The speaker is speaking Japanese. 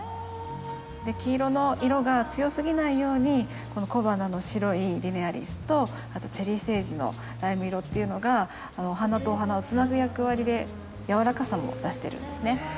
黄色の色が強すぎないようにこの小花の白いリネアリスとあとチェリーセージのライム色っていうのがお花とお花をつなぐ役割でやわらかさも出してるんですね。